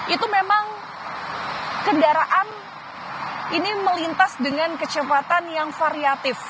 itu memang kendaraan ini melintas dengan kecepatan yang variatif